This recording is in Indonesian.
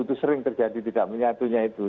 itu sering terjadi tidak menyatunya itu